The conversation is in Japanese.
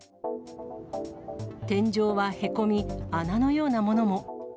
天井はへこみ、穴のようなものも。